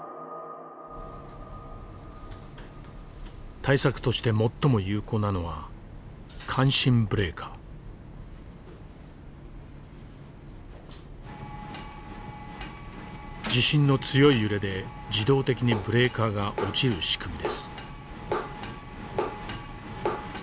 対策として最も有効なのは地震の強い揺れで自動的にブレーカーが落ちる仕組みです。